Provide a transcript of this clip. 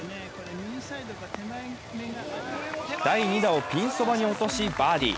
第２打をピンそばに落としバーディー。